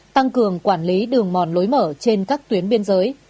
tăng cường quản lý đường mòn lối mở trên các tuyến biên giới